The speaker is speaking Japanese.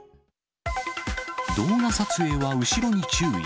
動画撮影は後ろに注意。